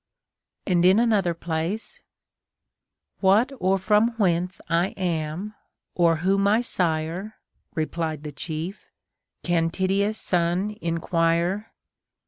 * And in another place :— What or from whence I am, or who my sire (Replied the chief), can Tydeus' son enquire?